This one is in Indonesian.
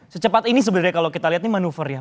secepat ini sebenarnya kalau kita lihat ini manuvernya